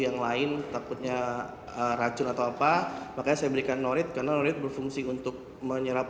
yang lain takutnya racun atau apa makanya saya berikan norit karena norit berfungsi untuk menyerap